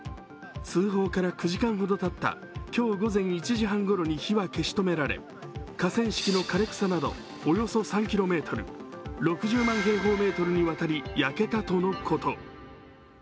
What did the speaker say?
通報から９時間ほどたった今日午前１時半ごろに火は消し止められ河川敷の枯れ草などおよそ３ｋｍ６０万平方メートルにわたり焼けたとのこと。